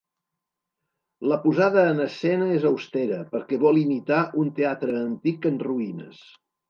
La posada en escena és austera perquè vol imitar un teatre antic en ruïnes.